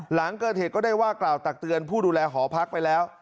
หลังเกิดเหตุก็ได้ว่ากล่าวตักเตือนผู้ดูแลหอพักไปแล้ว